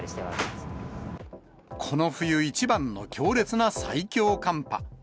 この冬一番の強烈な最強寒波。